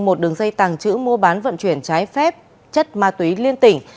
một đường dây tàng trữ mua bán vận chuyển trái phép chất ma túy liên tỉnh